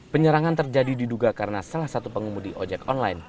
penyerangan terjadi diduga karena salah satu pengemudi ojek online